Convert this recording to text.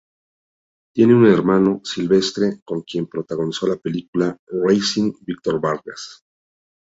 Tiene un hermano, Silvestre, con quien protagonizó la película "Raising Victor Vargas".